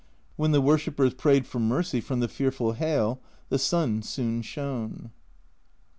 When the worshippers prayed for mercy from the fearful hail, the sun soon shone.